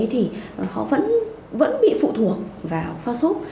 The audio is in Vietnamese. họ vẫn bị phụ thuộc vào phao sốt